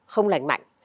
không lành mạnh